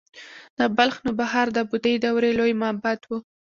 د بلخ نوبهار د بودايي دورې لوی معبد و